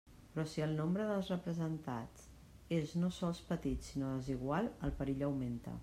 Però si el nombre dels representats és no sols petit sinó desigual, el perill augmenta.